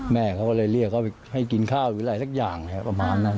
แม่เขาก็เลยเรียกเขาให้กินข้าวหรืออะไรสักอย่างประมาณนั้น